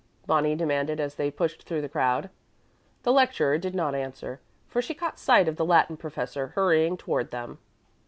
Bonnie demanded as they pushed through the crowd. The lecturer did not answer, for she caught sight of the Latin professor hurrying toward them.